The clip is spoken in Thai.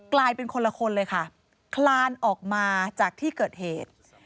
กลายเป็นคนละคนเลยค่ะคลานออกมาจากที่เกิดเหตุ